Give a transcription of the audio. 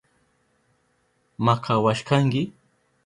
Makawashkanki.